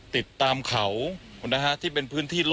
คุณทัศนาควดทองเลยค่ะ